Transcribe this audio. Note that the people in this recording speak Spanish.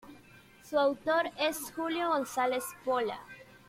Su autor es Julio González Pola.